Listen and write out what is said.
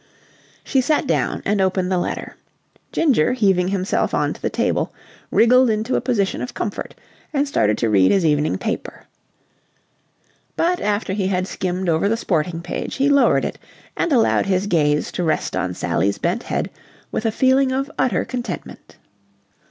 She sat down and opened the letter. Ginger, heaving himself on to the table, wriggled into a position of comfort and started to read his evening paper. But after he had skimmed over the sporting page he lowered it and allowed his gaze to rest on Sally's bent head with a feeling of utter contentment.